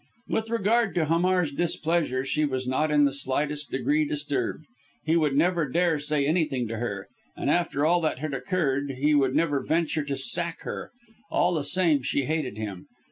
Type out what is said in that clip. With regard to Hamar's displeasure, she was not in the slightest degree disturbed. He would never dare say anything to her. And after all that had occurred he would never venture to "sack her." All the same she hated him.